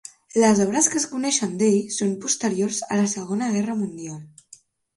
Les obres que es coneixen d'ell, són posteriors a la Segona Guerra Mundial.